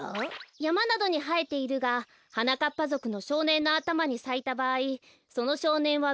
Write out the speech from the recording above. やまなどにはえているがはなかっぱぞくのしょうねんのあたまにさいたばあいそのしょうねんは美男すなわちイケメンにへんしんし。